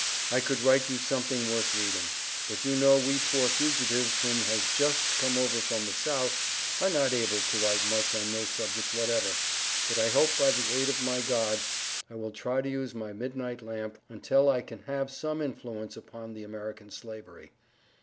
I could write you something worth reading, but you know we poor fugitives whom has just come over from the South are not able to write much on no subject whatever, but I hope by the aid of my God I will try to use my midnight lamp, untel I can have some influence upon the American Slavery.